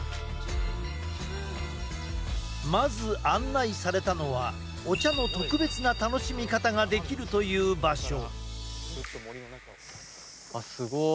まず案内されたのはお茶の特別な楽しみ方ができるという場所。